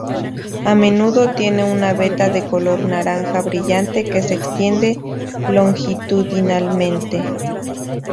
A menudo tiene una veta de color naranja brillante que se extiende longitudinalmente.